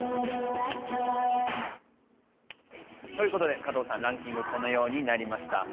加藤さん、ランキングはこのようになりました。